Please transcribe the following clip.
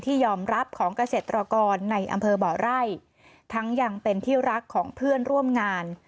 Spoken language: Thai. ยอมรับของเกษตรกรในอำเภอบ่อไร่ทั้งยังเป็นที่รักของเพื่อนร่วมงาน